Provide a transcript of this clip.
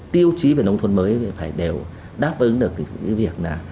tiêu chí về nông thôn mới thì phải đều đáp ứng được cái việc là